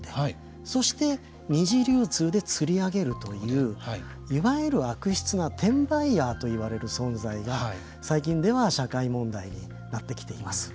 そして、二次流通でつり上げるといういわゆる悪質な転売ヤーといわれる存在が最近では社会問題になってきています。